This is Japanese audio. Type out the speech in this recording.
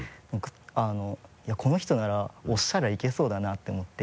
あのいやこの人なら押したらいけそうだなって思って。